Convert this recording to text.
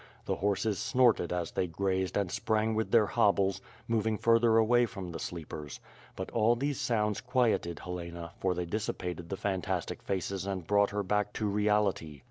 The horses snorted as they grazed and sprang with their hobbles, moving further away from the sleepers; but all these sounds quieted Helena for they dissipated the fantastic faces and brought her back to reality.